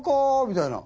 みたいな喉。